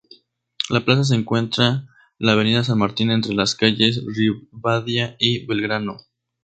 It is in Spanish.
La plaza se encuentra la Avenida San Martín entre las calles Rivadavia y Belgrano.